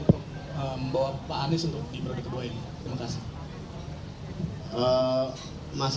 untuk membawa pak anies untuk diberi kedua duanya terima kasih